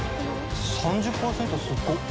・３０％すごっ！